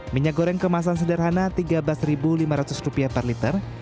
minyak goreng kemasan sederhana rp tiga belas lima ratus per liter